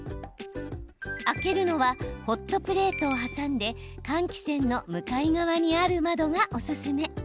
開けるのはホットプレートを挟んで換気扇の向かい側にある窓がおすすめ。